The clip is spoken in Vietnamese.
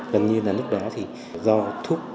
gần như là lúc đó thì do thuốc